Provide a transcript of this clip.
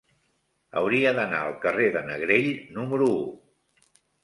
Hauria d'anar al carrer de Negrell número u.